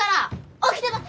起きてます！